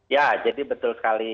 ya jadi betul sekali